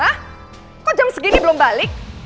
hah kok jam segini belum balik